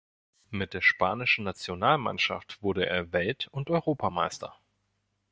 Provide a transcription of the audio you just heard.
Mit der spanischen Nationalmannschaft wurde er Welt- und Europameister.